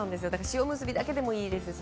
塩むすびだけでもいいですし。